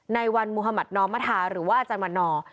นายวัณมุฮมัธนมทาหรือว่าอาจารย์วันนอก